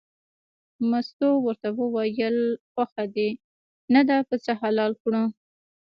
مستو ورته وویل خوښه دې نه ده پسه حلال کړو.